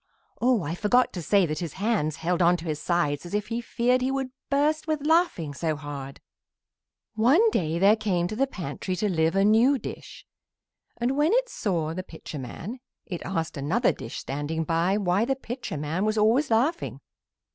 Oh, I forgot to say that his hands held on to his sides as if he feared he would burst with laughing so hard. One day there came to the pantry to live a new dish, and when it saw the Pitcher man it asked another dish standing by why the Pitcher man was always laughing.